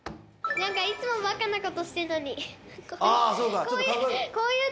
いつもバカなことしてんのに。